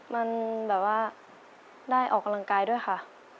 มันแบบว่าได้ออกกำลังกายด้วยค่ะ